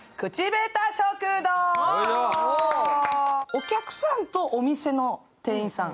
お客さんとお店の店員さん。